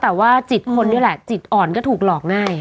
เออ